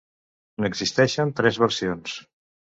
N'existeixen tres versions.